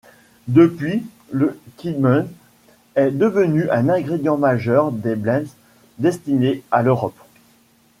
Depuis, le Keemun est devenu un ingrédient majeur des blends destinés à l'Europe.